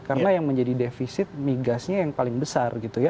karena yang menjadi defisit migasnya yang paling besar gitu ya